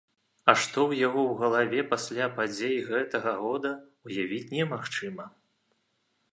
А што ў яго ў галаве пасля падзей гэта года, ўявіць немагчыма!